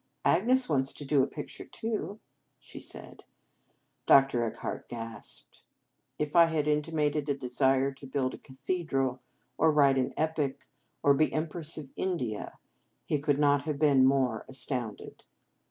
" Agnes wants to do a picture, too," she said. Dr. Eckhart gasped. If I had in timated a desire to build a cathedral, or write an epic, or be Empress of India, he could not have been more astounded.